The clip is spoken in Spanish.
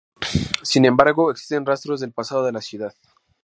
Sin embargo, existen rastros del pasado de la ciudad.